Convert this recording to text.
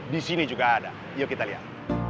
di sini juga ada yuk kita lihat